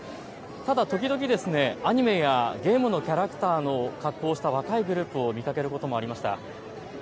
ただ時々、アニメやゲームのキャラクターの格好をした若いグループを見かけることもありました。